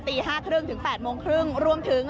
ตี๕๓๐ถึง๘๓๐รวมถึง